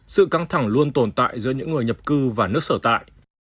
sự căng thẳng luôn tồn tại giữa những người nhập cư và nước sở tại